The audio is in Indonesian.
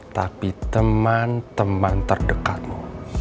tapi teman teman terdekatmu